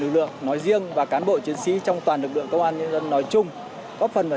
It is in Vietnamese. lực lượng nói riêng và cán bộ chiến sĩ trong toàn lực lượng công an nhân dân nói chung góp phần vào